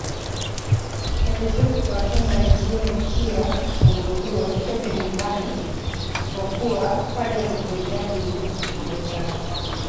Ni vizuri kuwakinga wengine ikiwa unaugua usitoke nyumbani isipokuwa pale unapohitaji huduma ya matibabu